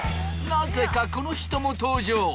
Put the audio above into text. なぜかこの人も登場！